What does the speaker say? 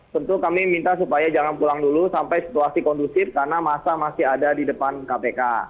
tentu kami minta supaya jangan pulang dulu sampai situasi kondusif karena masa masih ada di depan kpk